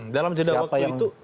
dalam jeda waktu itu